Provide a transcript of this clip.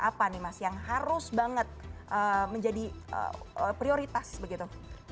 apa nih mas yang harus banget menjadi prioritas begitu